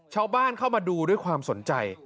ชาวบ้านเข้ามาดูด้วยความสนใจ